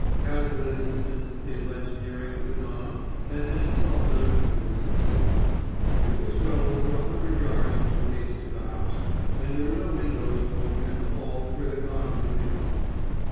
Cazalet instanced the alleged hearing of the gong as in itself an unconvincing statement. It was well over a hundred yards from the gates to the house, and there were no windows to open in the hall where the gong would be rung.